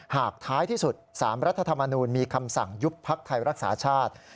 หากท้ายที่สุด๓รัฐธรรมนูลมีคำสั่งยุบพักไทยรักษาชาติ